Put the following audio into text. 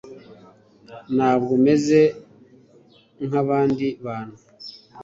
Ntabwo meze nkabandi bantu